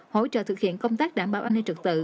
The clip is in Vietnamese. hỗ trợ thực hiện công tác đảm bảo an ninh trật tự